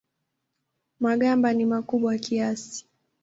Magamba ni makubwa kiasi.